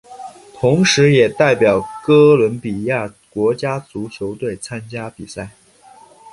同时也代表哥伦比亚国家足球队参加比赛。